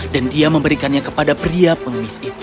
dan dia memberikannya kepada pria pengemis itu